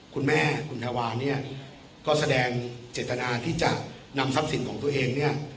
คุณแม่คุณแถวาก็แสดงเจตนาที่จะนำทรัพย์สินของตัวเอง